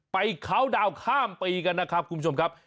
ไปขาวดาวข้ามไปกันอีกแล้วครับคุณผู้ชมครับ